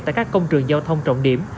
tại các công trường giao thông trọng điểm